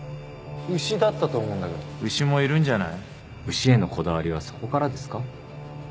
牛へのこだわりはそこからですか？